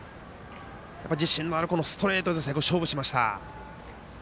自信のあるストレートで最後、勝負しました。